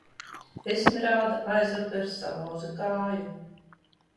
Esmeralda aizvakar salauza kāju.